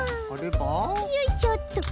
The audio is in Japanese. よいしょっと。